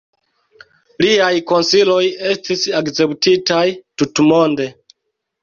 Liaj konsiloj estis akceptitaj tutmonde.